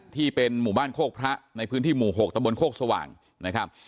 ที่เป็นหมู่บ้านโคกพระในพื้นที่หมู่๖ตะบนโคกสว่างนะครับ